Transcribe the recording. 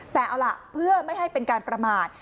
แต่เอาล่ะเพื่อไม่ให้เป็นการประมาท